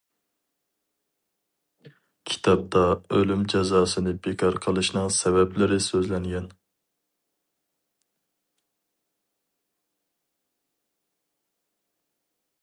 كىتابتا ئۆلۈم جازاسىنى بىكار قىلىشنىڭ سەۋەبلىرى سۆزلەنگەن.